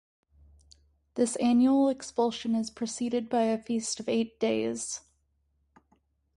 This annual expulsion is preceded by a feast of eight days.